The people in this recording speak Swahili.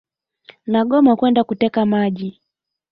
Nagoma kwenda kuteka maji.